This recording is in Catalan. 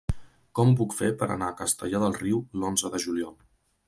Com ho puc fer per anar a Castellar del Riu l'onze de juliol?